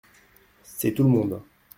C’est tout le monde.